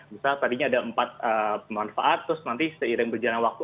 misal tadinya ada empat manfaat terus nanti seiring berjalan waktu